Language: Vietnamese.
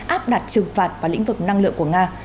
áp đặt trừng phạt vào lĩnh vực năng lượng của nga